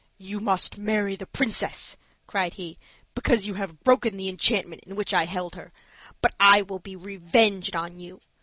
"You must marry the princess," cried he, "because you have broken the enchantment in which I held her; but I will be revenged on you.